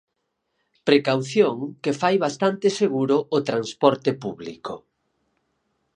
Precaución que fai bastante seguro o transporte público.